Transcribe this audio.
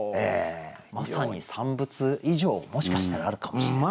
まさに三物以上もしかしたらあるかもしれない。